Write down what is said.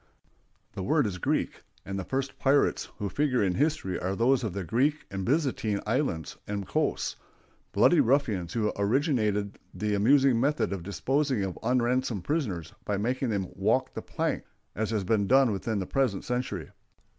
The word is Greek, and the first pirates who figure in history are those of the Greek and Byzantine islands and coasts—bloody ruffians who originated the amusing method of disposing of unransomed prisoners by making them "walk the plank," as has been done within the present century.